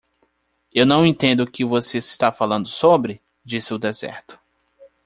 "Eu não entendo o que você está falando sobre?", disse o deserto.